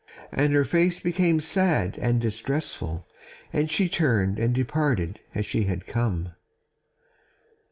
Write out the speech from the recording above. And her face became sad and distressful, and she turned and departed as she had come.